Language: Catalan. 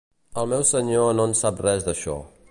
El meu Senyor no en sap res d'això.